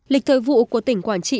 lịch thời vụ của tỉnh quảng trị